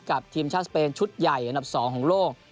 ทีมชาติสเปนชุดใหญ่อันดับ๒ของโลก